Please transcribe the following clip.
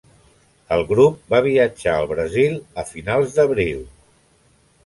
El grup va viatjar al Brasil a finals d'abril.